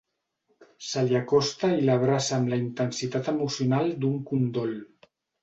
Se li acosta i l'abraça amb la intensitat emocional d'un condol.